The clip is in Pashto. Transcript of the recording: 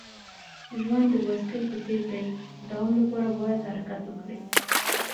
ژوند د بایسکل په څیر دی. د دوام لپاره باید حرکت وکړې.